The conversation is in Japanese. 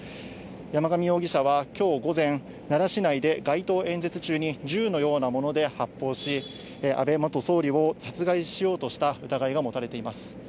山上容疑者はきょう午前、奈良市内で街頭演説中に銃のようなもので発砲し、安倍元総理を殺害しようとした疑いが持たれています。